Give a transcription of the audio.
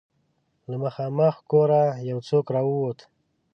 له مخامخ کوره يو څوک را ووت.